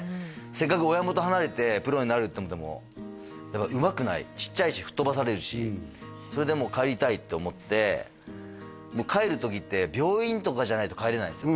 せっかく親元離れてプロになるって思ってもやっぱうまくないちっちゃいし吹っ飛ばされるしそれでもう帰りたいって思って帰る時って病院とかじゃないと帰れないんですよ